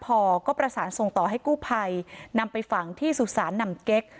พอก็ประสานส่งต่อให้กู้ภัยนำไปฝังที่สุสานหนำเก๊ก